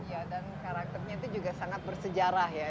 iya dan karakternya itu juga sangat bersejarah ya